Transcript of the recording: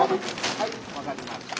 はい分かりました。